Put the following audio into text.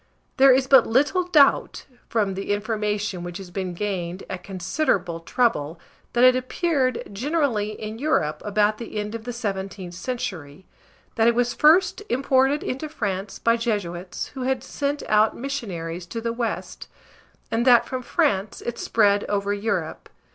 There is but little doubt, from the information which has been gained at considerable trouble, that it appeared, generally, in Europe about the end of the 17th century; that it was first imported into France by Jesuits, who had been sent out missionaries to the West; and that from France it spread over Europe.